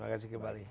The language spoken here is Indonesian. terima kasih kembali